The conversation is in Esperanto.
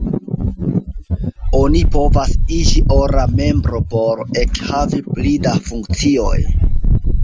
Oni povas iĝi ora membro por ekhavi pli da funkcioj.